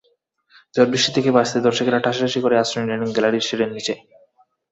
ঝড়-বৃষ্টি থেকে বাঁচতে দর্শকেরা ঠাসাঠাসি করে আশ্রয় নিলেন গ্যালারির শেডের নিচে।